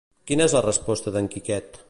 Quina és la resposta d'en Quiquet?